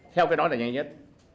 theo cái nói này nhanh nhất